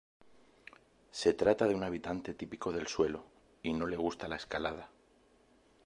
Se trata de un habitante típico del suelo, y no le gusta la escalada.